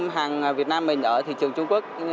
hàng việt nam mình ở thị trường trung quốc